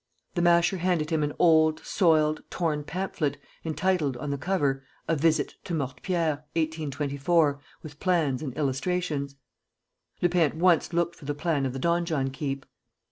The Masher handed him an old, soiled, torn pamphlet, entitled, on the cover, A Visit to Mortepierre, 1824, with plans and illustrations. Lupin at once looked for the plan of the donjon keep.